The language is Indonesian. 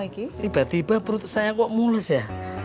tiba tiba perut saya kok mulus ya